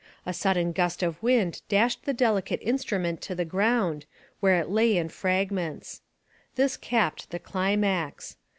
A sudden gust of wind dashed the delicate instrument to the ground, where it lay in fragments. This capped the climax.